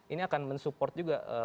ini akan mensupport juga